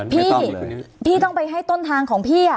พี่พี่ต้องไปให้ต้นทางของพี่